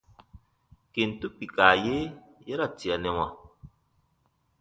Kentu kpika ye ya ra tianɛwa.